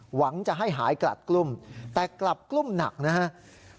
หวังจะให้หายกลัดกลุ้มแต่กลับกลุ้มหนักนะครับ